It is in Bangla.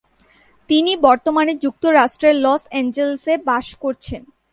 তিনি বর্তমানে যুক্তরাষ্ট্রের লস অ্যাঞ্জেলেসে বাস করছেন।